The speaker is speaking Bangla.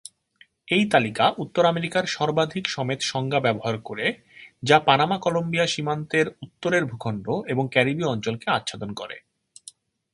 এই তালিকা উত্তর আমেরিকার সর্বাধিক সমেত সংজ্ঞা ব্যবহার করে, যা পানামা-কলম্বিয়া সীমান্তের উত্তরের ভূখণ্ড এবং ক্যারিবীয় অঞ্চলকে আচ্ছাদন করে।